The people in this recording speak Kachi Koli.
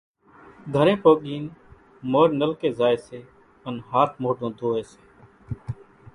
گھرين پوڳين مورِ نلڪي زائي سي ان ھاٿ موڍون ڌوئي سي۔